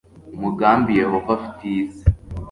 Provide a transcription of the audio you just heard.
umugambi yehova afitiye isi